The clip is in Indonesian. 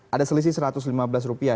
ada selisih satu ratus lima belas rupiah